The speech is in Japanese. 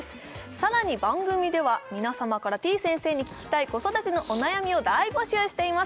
さらに番組では皆様からてぃ先生に聞きたい子育てのお悩みを大募集しています